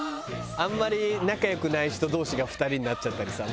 あんまり仲良くない人同士が２人になっちゃったりさ。